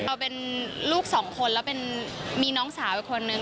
เอาเป็นลูกสองคนแล้วมีน้องสาวอีกคนนึง